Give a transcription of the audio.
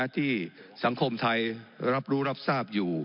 ที่สังคมไทยรับรู้รับทราบอยู่